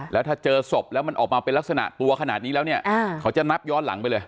แล้วถ้าเจอศพแล้วมันออกมาเป็นลักษณะตัวขนาดนี้แล้วเนี่ยเขาจะนับย้อนหลังไปเลย